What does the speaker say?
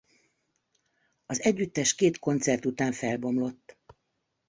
Az együttes két koncert után felbomlott.